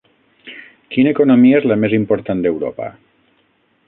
Quina economia és la més important d'Europa?